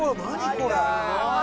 これ！